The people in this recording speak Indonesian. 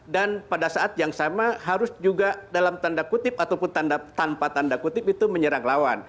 dan pada saat yang sama harus juga dalam tanda kutip ataupun tanpa tanda kutip itu menyerang lawan